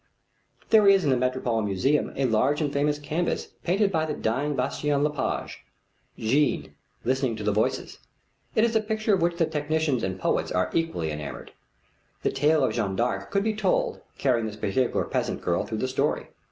There is in the Metropolitan Museum a large and famous canvas painted by the dying Bastien Lepage; Jeanne Listening to the Voices. It is a picture of which the technicians and the poets are equally enamored. The tale of Jeanne d'Arc could be told, carrying this particular peasant girl through the story.